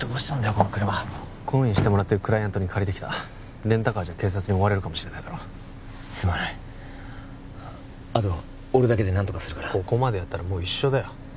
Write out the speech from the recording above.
この車懇意にしてもらってるクライアントに借りてきたレンタカーじゃ警察に追われるかもしれないだろすまないあとは俺だけで何とかするからここまでやったらもう一緒だよ